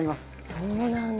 そうなんだ！